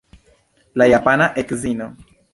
La japana edzino.